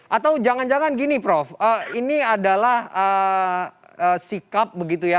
atau jangan jangan gini prof ini adalah sikap begitu ya